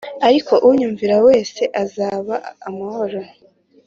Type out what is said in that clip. Ariko unyumvira wese azaba amahoro